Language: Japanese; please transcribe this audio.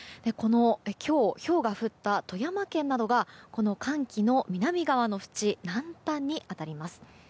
今日、ひょうが降った富山県などがこの寒気の南側の淵南端に当たります。